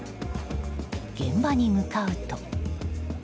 現場に向かうと。